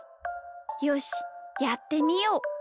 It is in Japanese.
よしやってみよう。